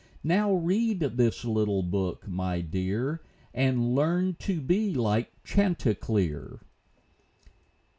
Now read this little book, my dear, And learn to be like Chanticleer.